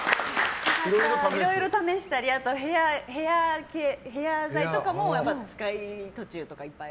いろいろ試したりヘア剤とかも使い途中とかいっぱい。